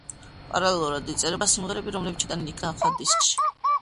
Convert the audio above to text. პარალელურად იწერებოდა სიმღერები, რომელიც შეტანილი იქნა ახალ დისკში.